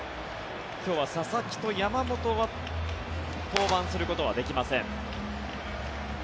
今日は佐々木と山本は登板することはできません。